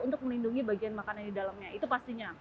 untuk melindungi bagian makanan di dalamnya itu pastinya